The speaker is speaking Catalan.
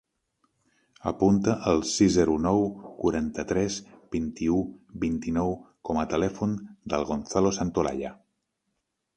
Apunta el sis, zero, nou, quaranta-tres, vint-i-u, vint-i-nou com a telèfon del Gonzalo Santolaya.